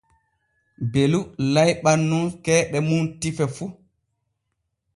Belu layɓan nun keeɗe mum tife fu.